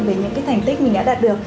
về những cái thành tích mình đã đạt được